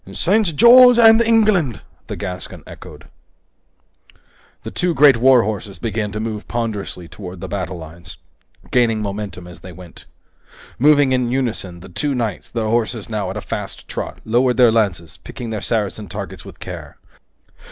"St. George and England!" the Gascon echoed. Two great war horses began to move ponderously forward toward the battle lines, gaining momentum as they went. Moving in unison, the two knights, their horses now at a fast trot, lowered their lances, picking their Saracen targets with care.